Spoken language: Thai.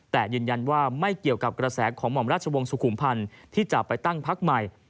แต่ยืนยันว่าไม่เกี่ยวกับกระแสของหม่อมราชวงศ์สุขุมพันธ์ที่จะไปตั้งพักใหม่